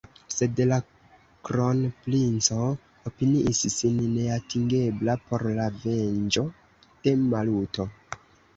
Sed la kronprinco opiniis sin neatingebla por la venĝo de Maluto.